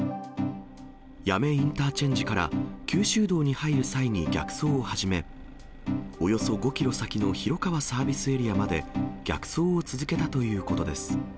八女インターチェンジから、旧道に入る際に逆走を始め、およそ５キロ先の広川サービスエリアまで、逆走を続けたということです。